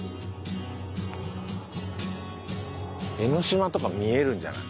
江の島とか見えるんじゃない？